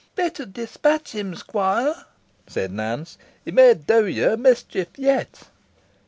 "Better dispatch him, squire," said Nance; "he may do yo a mischief yet."